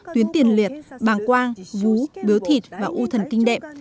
tuyến tiền liệt bàng quang vú biếu thịt và u thần kinh đệm